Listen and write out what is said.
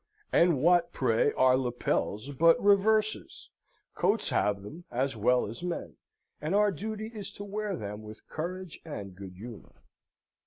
And what, pray, are lapels but reverses? Coats have them, as well as men; and our duty is to wear them with courage and good humour.